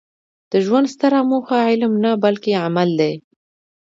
د ژوند ستره موخه علم نه؛ بلکي عمل دئ.